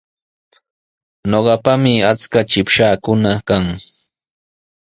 Ñuqapami achka chipshaakuna kan.